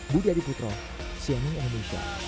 budi adiputro siening indonesia